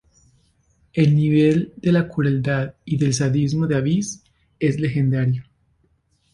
El nivel de la crueldad y del sadismo de Abbes es legendario.